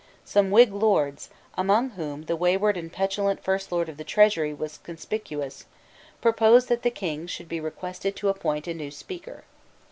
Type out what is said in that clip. Some Whig Lords, among whom the wayward and petulant First Lord of the Treasury was conspicuous, proposed that the King should be requested to appoint a new Speaker.